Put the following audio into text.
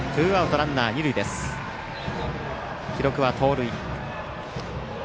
記録は盗塁。